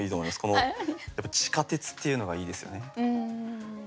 この「地下鉄」っていうのがいいですよね。